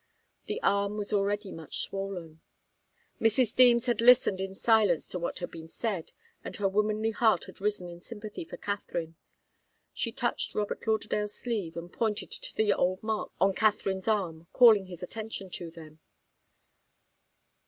The arm was already much swollen. Mrs. Deems had listened in silence to what had been said, and her womanly heart had risen in sympathy for Katharine. She touched Robert Lauderdale's sleeve, and pointed to the old marks on Katharine's arm, calling his attention to them.